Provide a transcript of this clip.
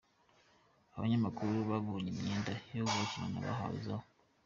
Abanyamakuru batabonye imyenda yo gukinana bahawe za.